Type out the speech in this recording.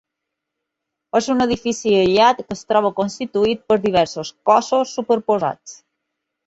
És un edifici aïllat que es troba constituït per diversos cossos superposats.